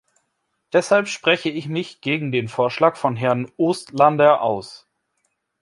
Deshalb spreche ich mich gegen den Vorschlag von Herrn Oostlander aus.